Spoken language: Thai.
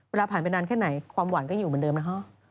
เวลาผ่านไปนานแค่ไหนความหวานก็อยู่เหมือนเดิมนะฮะ